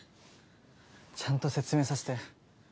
ちゃんと説明させて。